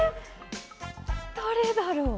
誰だろう？